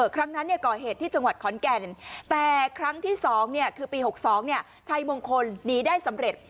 ครั้งนั้นก่อเหตุที่จังหวัดขอนแก่นแต่ครั้งที่๒คือปี๖๒ชัยมงคลหนีได้สำเร็จ